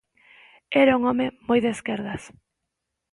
Era un home moi de esquerdas.